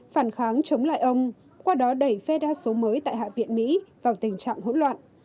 phản kháng chống lại ông qua đó đẩy phe đa số mới tại hạ viện mỹ vào tình trạng hỗn loạn